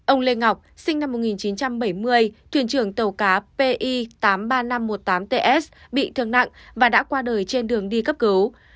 ông lê ngọc sinh năm một nghìn chín trăm bảy mươi thuyền trưởng tàu cá pi tám mươi ba nghìn năm trăm một mươi tám ts bị thương nặng và đã qua đời trên đường đi cấp cứu